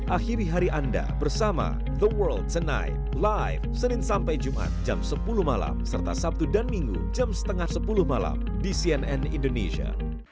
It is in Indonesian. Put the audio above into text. akhiri hari anda bersama the world tonight live senin sampai jumat jam sepuluh malam serta sabtu dan minggu jam setengah sepuluh malam di cnn indonesia